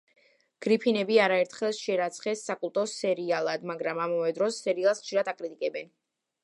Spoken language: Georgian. გრიფინები არაერთხელ შერაცხეს საკულტო სერიალად, მაგრამ, ამავე დროს, სერიალს ხშირად აკრიტიკებენ.